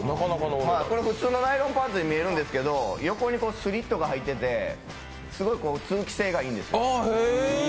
これ、普通のナイロンパンツに見えるんですけど、横にスリットが入っててすごい通気性がいいんですよ。